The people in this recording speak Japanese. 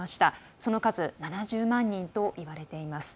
その数、７０万人といわれています。